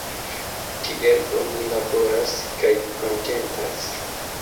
Tiel do mi laboras – kaj kontentas!